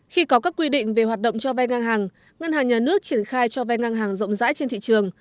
khi có các quy định về hoạt động cho vay ngang hàng ngân hàng nhà nước triển khai cho vay ngang hàng rộng rãi trên thị trường